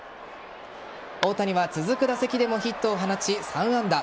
大谷は続く打席でもヒットを放ち３安打。